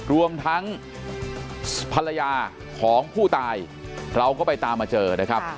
รวมทั้งภรรยาของผู้ตายเราก็ไปตามมาเจอนะครับ